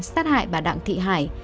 sát hại bà đặng thị hải